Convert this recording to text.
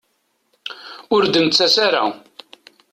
Ur d-nettas ara.